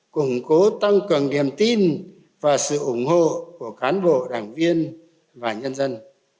cùng cố tăng cường điểm tin và sự ủng hộ của cán bộ đảng viên và nhân dân